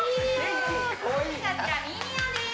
こちらミニオンです！